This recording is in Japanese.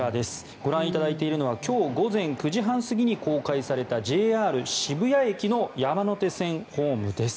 ご覧いただいているのは今日午前９時半過ぎに公開されたＪＲ渋谷駅の山手線ホームです。